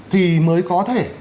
thì mới có thể